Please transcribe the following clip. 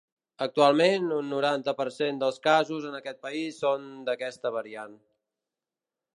Actualment, un noranta per cent dels casos en aquest país són d’aquesta variant.